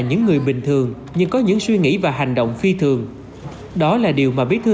những người bình thường nhưng có những suy nghĩ và hành động phi thường đó là điều mà bí thư